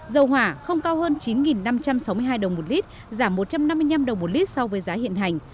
dầu hỏa không cao hơn chín năm trăm sáu mươi hai đồng một lít giảm một trăm năm mươi năm đồng một lít so với giá hiện hành